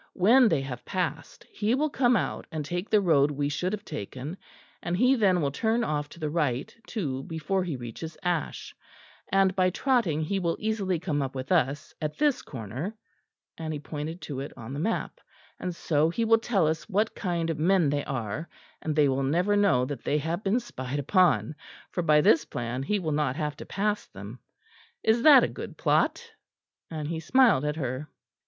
When they have passed, he will come out and take the road we should have taken, and he then will turn off to the right too before he reaches Ash; and by trotting he will easily come up with us at this corner," and he pointed to it on the map "and so he will tell us what kind of men they are; and they will never know that they have been spied upon; for, by this plan, he will not have to pass them. Is that a good plot?" and he smiled at her.